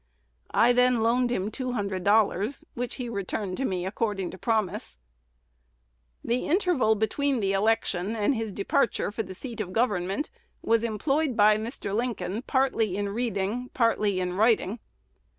I then loaned him two hundred dollars, which he returned to me according to promise." The interval between the election and his departure for the seat of government was employed by Mr. Lincoln partly in reading, partly in writing.